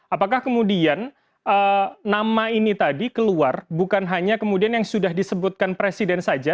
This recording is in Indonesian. apakah kemudian nama ini tadi keluar bukan hanya kemudian yang sudah disebutkan presiden saja